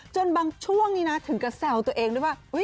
จนบางช่วงนี้นะถึงกระแซวตัวเองด้วยว่า